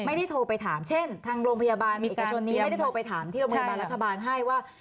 ไม่ได้โทรไปถามเช่นทางโรงพยาบาลเอกชนนี้ไม่ได้โทรไปถามที่โรงพยาบาลรัฐบาลให้ว่า